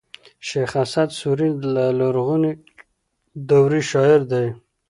شېخ اسعد سوري د لرغوني دورې شاعر دﺉ.